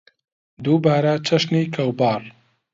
دووبارە چەشنی کەوباڕ